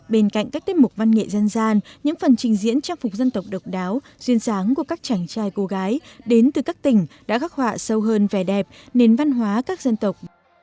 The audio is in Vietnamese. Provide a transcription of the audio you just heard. bên cạnh các tiết mục văn nghệ dân gian những phần trình diễn trang phục dân tộc độc đáo duyên dáng của các chàng trai cô gái đến từ các tỉnh đã gác họa sâu hơn vẻ đẹp nền văn hóa các dân tộc